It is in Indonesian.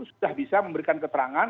sudah bisa memberikan keterangan